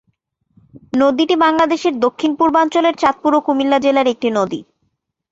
নদীটি বাংলাদেশের দক্ষিণ-পূর্বাঞ্চলের চাঁদপুর ও কুমিল্লা জেলার একটি নদী।